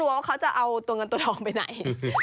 ว่าเขาจะเอาตัวเงินตัวทองไปไหน